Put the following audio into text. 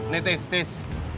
nih tis tis